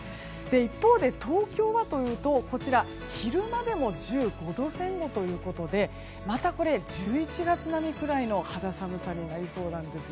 一方で東京はというと昼間でも１５度前後ということでまた、１１月並みくらいの肌寒さになりそうなんです。